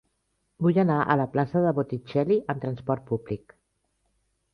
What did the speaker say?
Vull anar a la plaça de Botticelli amb trasport públic.